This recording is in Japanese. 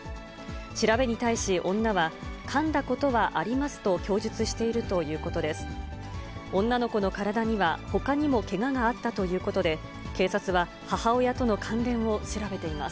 調べに対し女は、かんだことはありますと供述しているということです。